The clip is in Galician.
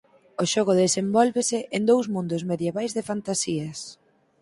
O xogo desenvólvese en dous mundos medievais de fantasías.